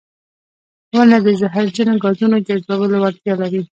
• ونه د زهرجنو ګازونو جذبولو وړتیا لري.